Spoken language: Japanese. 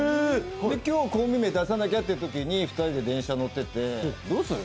今日コンビ名出さなきゃってときに２人で電車乗っててどうする？